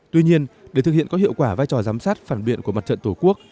tuy nhiên để thực hiện có hiệu quả vai trò giám sát phản biện của mặt trận tổ quốc